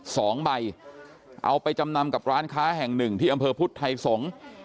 สองใบเอาไปจำนำกับร้านค้าแห่งหนึ่งที่อำเภอพุทธไทยสงศ์